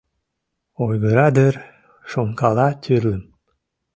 Ойгыра дыр, шонкала тӱрлым».